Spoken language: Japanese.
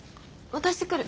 渡してくる。